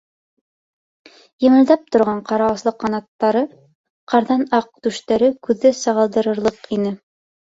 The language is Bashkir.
Емелдәп торған ҡара осло ҡанаттары, ҡарҙан аҡ түштәре күҙҙе сағылдырырлыҡ ине.